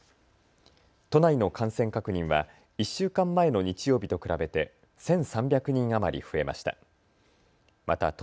都内の感染確認は１週間前の日曜日と比べて１３００人余り増えました。